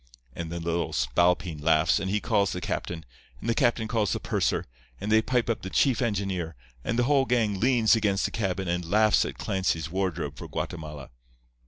And then the little spalpeen laughs, and he calls the captain, and the captain calls the purser, and they pipe up the chief engineer, and the whole gang leans against the cabin and laughs at Clancy's wardrobe for Guatemala.